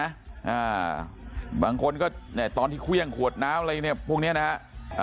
อ่าบางคนก็เนี่ยตอนที่เครื่องขวดน้ำอะไรเนี่ยพวกเนี้ยนะฮะอ่า